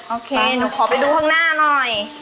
โอเคหนูขอไปดูข้างหน้าหน่อย